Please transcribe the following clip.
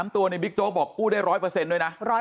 ตัวในบิ๊กโจ๊กบอกกู้ได้๑๐๐ด้วยนะ